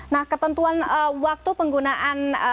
nah ketentuan waktu penggunaan